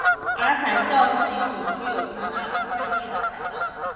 而海啸是一种具有强大破坏力的海浪。